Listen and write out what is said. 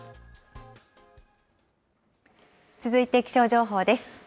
続いて気象情報です。